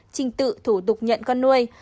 trình tự thủ tục nhận con nuôi